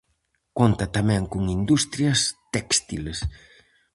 Conta tamén con industrias téxtiles.